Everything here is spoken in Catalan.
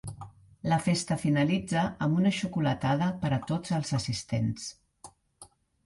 La festa finalitza amb una xocolatada per a tots els assistents.